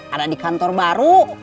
ada di kantor baru